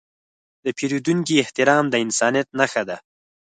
د پیرودونکي احترام د انسانیت نښه ده.